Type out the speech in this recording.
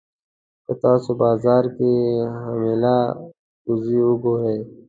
که تاسو بازار کې حامله اوزه وګورئ.